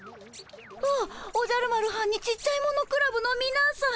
あおじゃる丸はんにちっちゃいものクラブのみなさん。